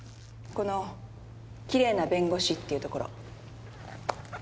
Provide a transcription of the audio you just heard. この「キレイな弁護士」っていうところ。